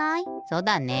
そうだね。